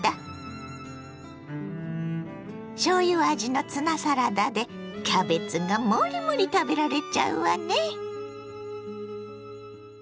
しょうゆ味のツナサラダでキャベツがモリモリ食べられちゃうわね。